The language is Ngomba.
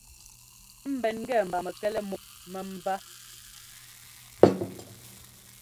Ḿbɛn ŋ́gɛ mba mɛkɛlɛ múk mɛ́mbá.